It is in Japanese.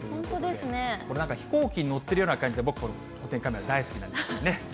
これ、なんか飛行機に乗ってるような感じで、僕、このお天気カメラ、大好きなんですよね。